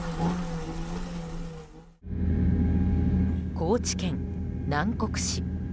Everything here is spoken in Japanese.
高知県南国市。